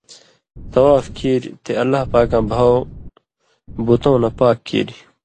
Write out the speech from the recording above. طواف کیریۡ، تے اللّٰہ پاکاں بھاؤ بُتؤں نہ پاک کیریۡ